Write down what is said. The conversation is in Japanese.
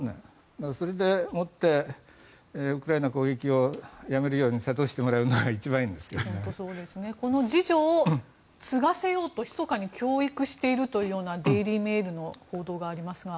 それでもって、ウクライナ攻撃をやめるように諭してもらうのがこの次女を継がせようとひそかに教育しているというようなデイリー・メールの報道がありますが。